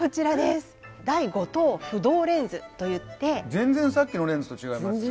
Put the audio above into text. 全然さっきのレンズと違いますね。